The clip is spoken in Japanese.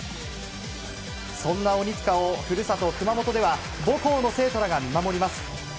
そんな鬼塚を故郷・熊本では母校の生徒らが見守ります。